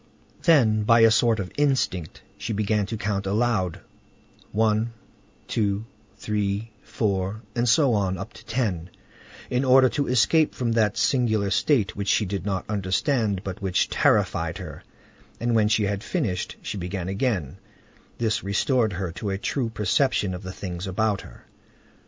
Then, by a sort of instinct, she began to count aloud, one, two, three, four, and so on up to ten, in order to escape from that singular state which she did not understand, but which terrified her, and, when she had finished, she began again; this restored her to a true perception of the things about her.